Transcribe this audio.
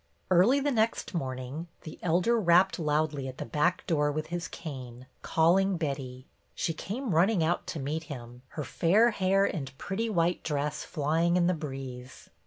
Early the next morning the Elder rapped loudly at the back door with his cane, calling Betty. She came running out to meet him, her fair hair and pretty white dress flying in the breeze.